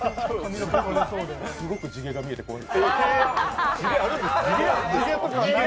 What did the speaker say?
すごく地毛が見えて怖い。